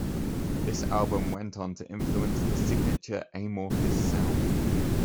This album went on to influence the signature Amorphis sound.